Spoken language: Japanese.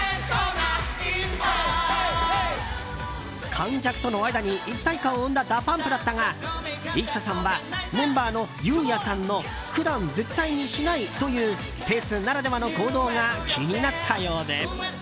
観客との間に一体感を生んだＤＡＰＵＭＰだったがＩＳＳＡさんはメンバーのＵ‐ＹＥＡＨさんの普段絶対にしないというフェスならではの行動が気になったようで。